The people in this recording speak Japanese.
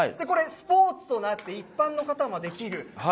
これ、スポーツとなって、一般の方もできる。